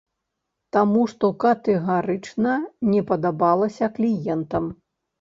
Таму што катэгарычна не падабалася кліентам.